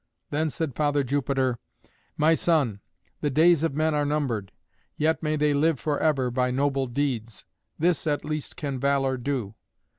Then said Father Jupiter, "My son, the days of men are numbered; yet may they live for ever by noble deeds. This at least can valour do.